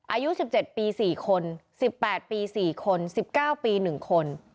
อายุ๑๗ปี๔คน๑๘ปี๔คน๑๙ปี๑คน